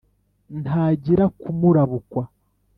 ntangira kumurabukwa